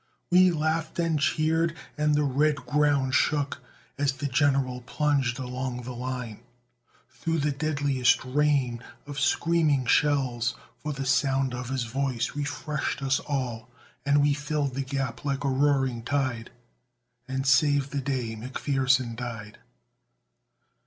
We laughed and cheered and the red ground shook, As the general plunged along the line Through the deadliest rain of screaming shells; For the sound of his voice refreshed us all, And we filled the gap like a roaring tide, And saved the day McPherson died!